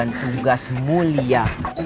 dan tugas mulia